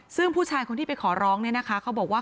ซึ่งผู้ชายคนที่ไปขอร้องเขาบอกว่า